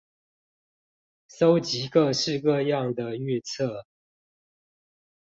蒐集各式各樣的預測